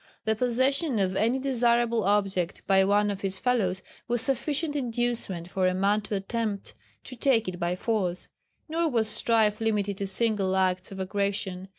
The possession of any desirable object by one of his fellows was sufficient inducement for a man to attempt to take it by force. Nor was strife limited to single acts of aggression.